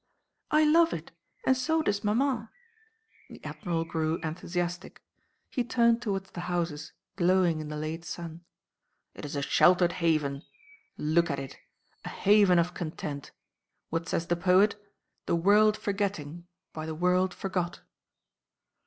"I love it! And so does Maman." The Admiral grew enthusiastic. He turned towards the houses glowing in the late sun. "It is a sheltered haven. Look at it! A haven of content! What says the poet? 'The world forgetting, by the world forgot.